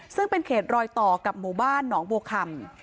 ซึ่งเป็นเขตรอยต่อกับหมู่บ้านหนองบัวคำ